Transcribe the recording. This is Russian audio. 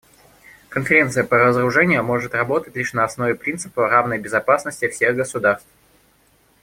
Конференция по разоружению может работать лишь на основе принципа равной безопасности всех государств.